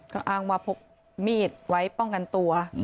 ก็อ้างว่าพกมีดไว้ป้องกันตัว